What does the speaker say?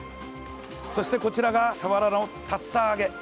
そしてこちらがサワラの竜田揚げ。